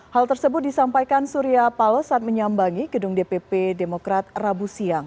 hal tersebut disampaikan surya palo saat menyambangi gedung dpp demokrat rabu siang